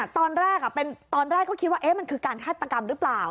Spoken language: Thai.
ตอนแรกก็คิดว่ามันคือการฆาตรกรรมรึเปล่า